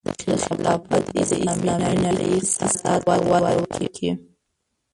خلافت به د اسلامي نړۍ اقتصاد ته وده ورکړي.